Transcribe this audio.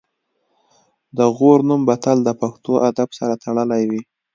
د غور نوم به تل د پښتو ادب سره تړلی وي